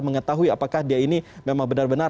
mengetahui apakah dia ini memang benar benar